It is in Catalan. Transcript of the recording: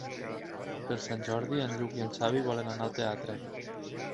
Per Sant Jordi en Lluc i en Xavi volen anar al teatre.